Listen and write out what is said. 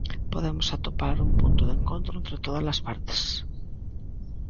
Podemos atopar un punto de encontro entre todas as partes.